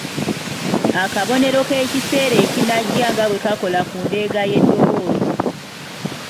Akabonero k’ekiseera ekinajja nga bwe kakola ku ndeega y’eddoboozi.